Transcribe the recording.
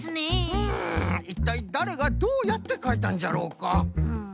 うんいったいだれがどうやってかいたんじゃろうか？